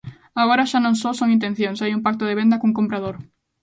Agora xa non só son intencións e hai un pacto de venda cun comprador.